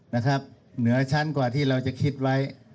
เหนือชั้นกว่าที่เราจะคิดไว้